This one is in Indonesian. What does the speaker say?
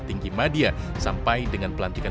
tinggi media sampai dengan pelantikan